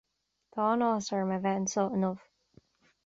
Tá an-áthas orm a bheith anseo inniu.